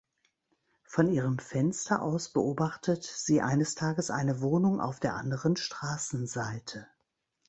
Von ihrem Fenster aus beobachtet sie eines Tages eine Wohnung auf der anderen Straßenseite.